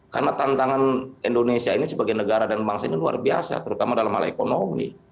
karena tantangan indonesia ini sebagai negara dan bangsa ini luar biasa terutama dalam hal ekonomi